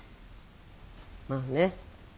まあね。